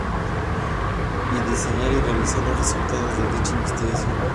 Y diseñar y realizar los resultados de dicha investigación.